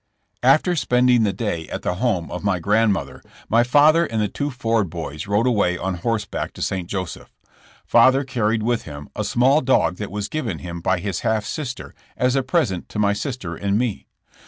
After spending the day at the home of my grand mother, my father and the two Ford boys rode away 16 JESSE JAMES. on horseback to St. Joseph. Father carried with him a small dog that was given him by his half sister as a present to my' sister and me.